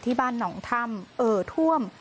บ้านหนองถ้ำเอ่อท่วม